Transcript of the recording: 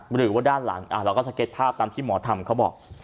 หรือว่าด้านหลังเราก็สเก็ตภาพตามที่หมอทำเขาบอก